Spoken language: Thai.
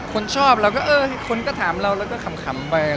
คนชอบเราก็เออคนก็ถามเราแล้วก็ขำไปอะไรอย่างเงี้ยฮะ